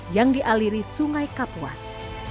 yang dialiri sungai kapuas